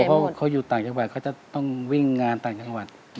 เพราะเขาอยู่ต่างจังหวัดเขาจะต้องวิ่งงานต่างจังหวัด